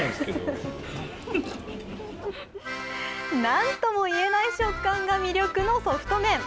なんともいえない食感が魅力のソフト麺。